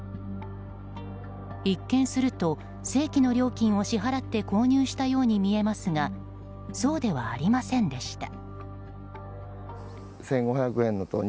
一見すると正規の料金を支払って購入したように見えますがそうではありませんでした。